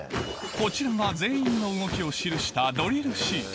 こちらが全員の動きを記したドリルシート